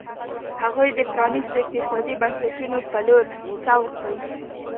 هغوی د پرانیستو اقتصادي بنسټونو په لور سوق کړ.